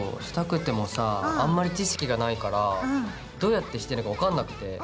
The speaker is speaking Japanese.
したくてもさあんまり知識がないからどうやってしていいのか分かんなくて。